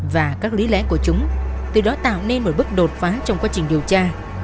và các lý lẽ của chúng từ đó tạo nên một bước đột phá trong quá trình điều tra